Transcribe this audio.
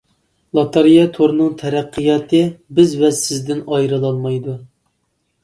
لاتارىيە تورىنىڭ تەرەققىياتى بىز ۋە سىزدىن ئايرىلالمايدۇ.